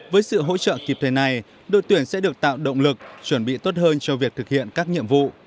với sự hỗ trợ kịp thời này đội tuyển sẽ được tạo động lực chuẩn bị tốt hơn cho việc thực hiện các nhiệm vụ